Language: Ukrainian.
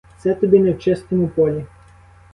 Це тобі не в чистому полі.